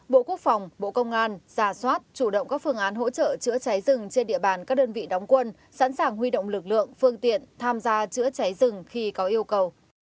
bộ quốc phòng bộ công an giả soát chủ động các phương án hỗ trợ chữa cháy rừng trên địa bàn các đơn vị đóng quân sẵn sàng huy động lực lượng phương tiện tham gia chữa cháy rừng khi có yêu cầu